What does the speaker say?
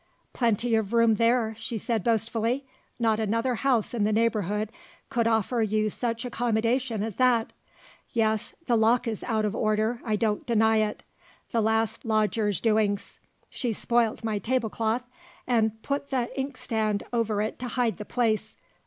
"Plenty of room there," she said boastfully: "not another house in the neighbourhood could offer you such accommodation as that! Yes the lock is out of order; I don't deny it. The last lodger's doings! She spoilt my tablecloth, and put the inkstand over it to hide the place.